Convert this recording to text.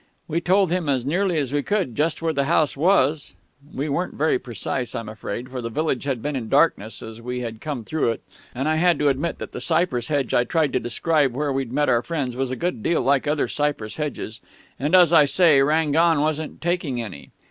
We told him as nearly as we could just where the house was we weren't very precise, I'm afraid, for the village had been in darkness as we had come through it, and I had to admit that the cypress hedge I tried to describe where we'd met our friends was a good deal like other cypress hedges and, as I say, Rangon wasn't taking any.